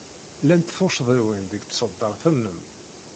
Llant tuccḍiwin deg tṣeddart-nnem.